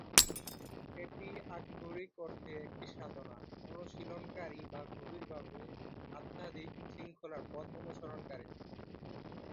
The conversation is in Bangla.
এটি আক্ষরিক অর্থে একটি "সাধনা" অনুশীলনকারী বা গভীরভাবে আধ্যাত্মিক শৃঙ্খলার পথ অনুসরণকারী।